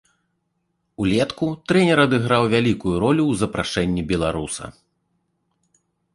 Улетку трэнер адыграў вялікую ролю ў запрашэнні беларуса.